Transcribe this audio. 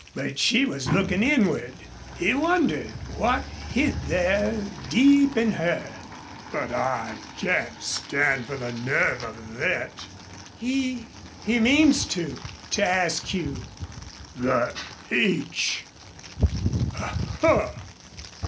But she was looking inward. He wondered what hid there deep in her. "But I can't stand for the nerve of thet." "He he means to to ask you." "The h .... A huh!"